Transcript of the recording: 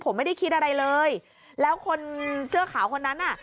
ผมไม่ได้คิดอะไรเลยแล้วคนเสื้อขาวคนนั้นน่ะ